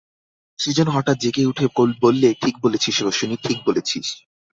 সে যেন হঠাৎ জেগে উঠে বললে, ঠিক বলেছিস রোশনি, ঠিক বলেছিস।